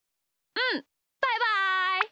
うんバイバイ。